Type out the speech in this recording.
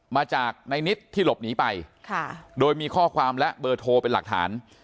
มาจากในนิดที่หลบหนีไปโดยมีข้อความและเบอร์โทรเป็นหลักฐาน